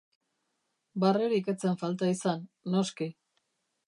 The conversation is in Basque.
Barrerik ez zen falta izan, noski.